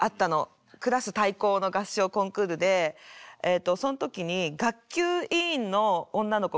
クラス対抗の合唱コンクールでえっとその時に学級委員の女の子